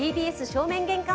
ＴＢＳ正面玄関